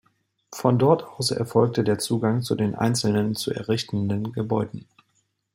Von dort aus erfolgte der Zugang zu den einzelnen zu errichtenden Gebäuden.